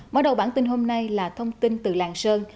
mở đầu bản tin hôm nay là thông tin từ lạng sơn